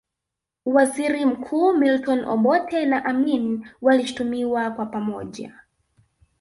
Waziri mkuu Milton Obote na Amin walishutumiwa kwa pamoja